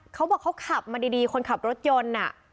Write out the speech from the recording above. เขาบอกเขาขับมาดีคนขับรถยนต์